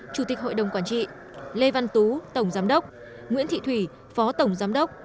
chủ tịch hội đồng quản trị lê văn tú tổng giám đốc nguyễn thị thủy phó tổng giám đốc